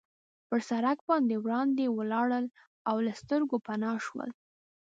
پر سړک باندې وړاندې ولاړل او له سترګو پناه شول.